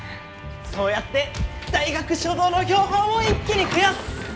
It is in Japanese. そうやって大学所蔵の標本を一気に増やす！